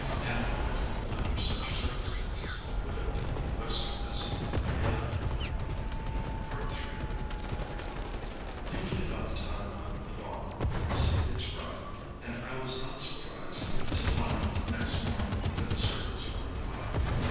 And what, under such circumstances, would have been the Western estimate of Leander?" III Usually about the time of the Bon, the sea gets rough; and I was not surprised to find next morning that the surf was running high.